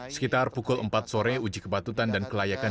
sekitar pukul empat sore uji kebatutan dan kelayakan